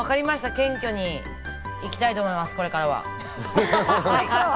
謙虚に行きたいと思います、これからは。